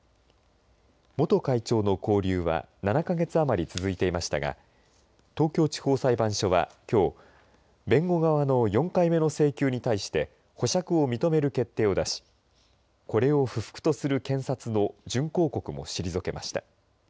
元会長の勾留は７か月余り続いていましたが東京地方裁判所はきょう弁護側の４回目の請求に対して保釈を認める決定を出しこれを不服とする検察の準抗告も退けました。